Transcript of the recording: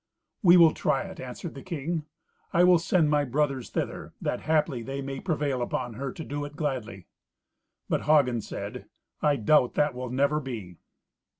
"We will try it," answered the king. "I will send my brothers thither, that haply they may prevail upon her to do it gladly." But Hagen said, "I doubt that will never be."